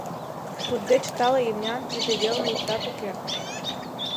Туддеч тале имнян тиде велне иктат уке.